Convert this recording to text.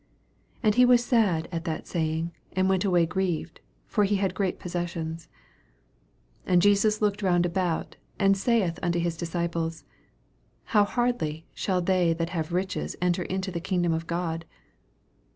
22 And he was sad at that saying, and went away grieved : for he had great possessions. 23 And Jesus looked round about, and saith unto his disciples, How hardly shall they that have riches enter into the kingdom of God